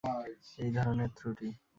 এই ধরনের ত্রুটি।